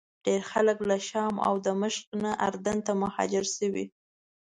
ډېر خلک له شام او دمشق نه اردن ته مهاجر شوي.